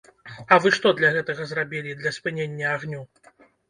А вы што для гэтага зрабілі, для спынення агню?